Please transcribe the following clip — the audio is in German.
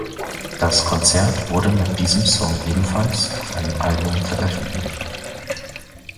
Das Konzert wurde mit diesem Song ebenfalls auf einem Album veröffentlicht.